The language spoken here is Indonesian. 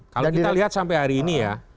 kalau kita lihat sampai hari ini ya